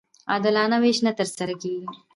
عادلانه وېش نه ترسره کېږي.